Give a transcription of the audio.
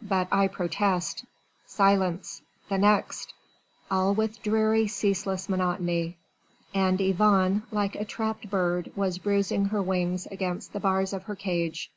"But I protest." "Silence. The next." All with dreary, ceaseless monotony: and Yvonne like a trapped bird was bruising her wings against the bars of her cage.